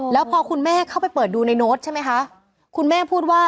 แล้วพอคุณแม่เข้าไปเปิดดูในโน้ตใช่ไหมคะ